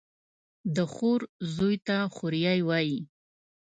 د خور زوى ته خوريه وايي.